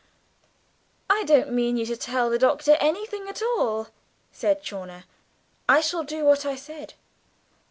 "I don't mean you to tell the Doctor anything at all," said Chawner. "I shall do what I said."